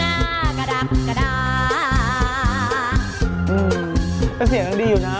มันติดคุกออกไปออกมาได้สองเดือน